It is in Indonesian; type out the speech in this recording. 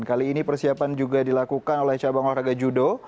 kali ini persiapan juga dilakukan oleh cabang olahraga judo